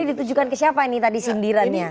ini ditujukan ke siapa ini tadi sindirannya